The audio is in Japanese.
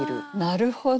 なるほど。